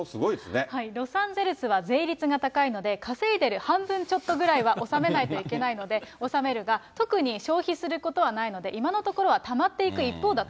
ロサンゼルスは税率が高いので、稼いでる半分ちょっとぐらいは納めないといけないので納めるが、特に消費することはないので、今のところはたまっていく一方だと。